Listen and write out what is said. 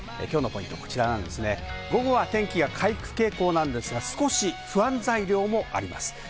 今日のポイントは、午後は天気が回復傾向なんですが、少し不安材料もあります。